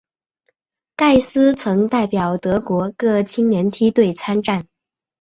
盖斯曾代表德国各青年梯队参战。